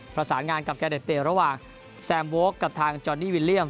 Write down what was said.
ประสานงานกับแกเดย์ระหว่างแซมโว๊คกับทางจอนนี่วิลเลี่ยม